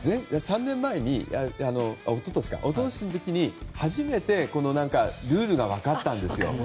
一昨日の時に初めてルールが分かったんです。